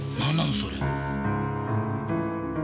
それ。